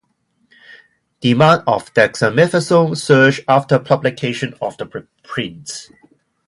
Demand for dexamethasone surged after publication of the preprint.